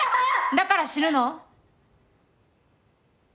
だから死ぬの？